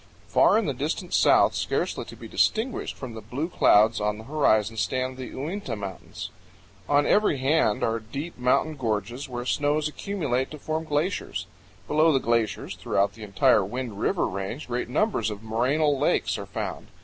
Far in the distant south, scarcely to be distinguished from the blue clouds on the horizon, stand the Uinta Mountains. On every hand are deep mountain gorges where snows accumulate to form glaciers. Below the glaciers throughout the entire Wind River Range great numbers of morainal lakes are found.